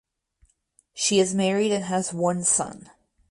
She is married and has one son.